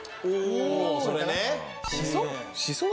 おそれね。